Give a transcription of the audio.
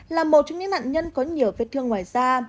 những nạn nhân có nhiều vết thương ngoài da